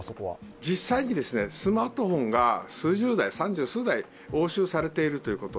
実際にスマートフォンが数十台、３０数台押収されているということ。